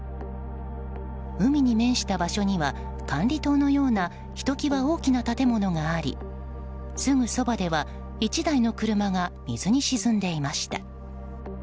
海に面した場所には管理棟のようなひときわ大きな建物がありすぐそばでは１台の車が水に沈んでいました。